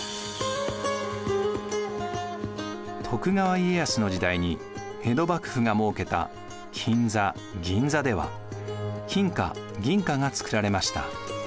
徳川家康の時代に江戸幕府が設けた金座銀座では金貨銀貨がつくられました。